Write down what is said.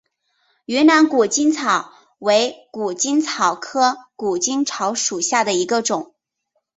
云南谷精草为谷精草科谷精草属下的一个种。